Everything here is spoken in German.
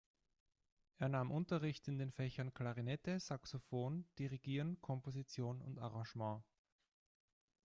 Er nahm Unterricht in den Fächern Klarinette, Saxophon, Dirigieren, Komposition und Arrangement.